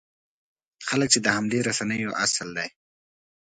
خلک چې د همدې رسنیو اصل دی.